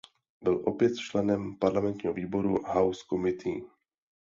Byl opět členem parlamentního výboru House Committee.